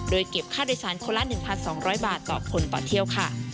โดยเก็บค่าโดยสารคนละ๑๒๐๐บาทต่อคนต่อเที่ยวค่ะ